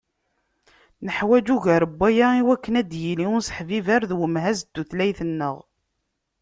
Neḥwaǧ ugar n waya iwakken ad d-yili useḥbiber d umhaz n tutlayt-nneɣ.